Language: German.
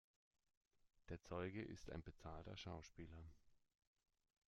Der Zeuge ist ein bezahlter Schauspieler.